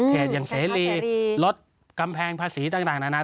อย่างเสรีลดกำแพงภาษีต่างนานา